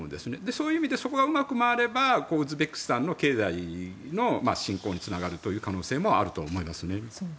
そういう意味でそこがうまく回ればウズベキスタンの経済の振興につながる可能性もあると思いますね。